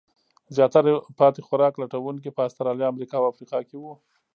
زیاتره پاتې خوراک لټونکي په استرالیا، امریکا او افریقا کې وو.